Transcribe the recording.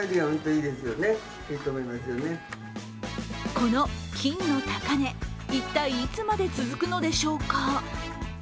この金の高値、一体いつまで続くのでしょうか。